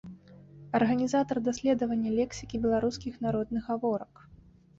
Арганізатар даследавання лексікі беларускіх народных гаворак.